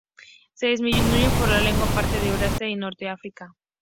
Se distribuyen por buena parte de Eurasia y norte de África.